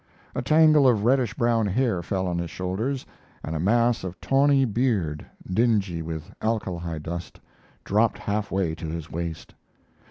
A tangle of reddish brown hair fell on his shoulders, and a mass of tawny beard, dingy with alkali dust, dropped half way to his waist.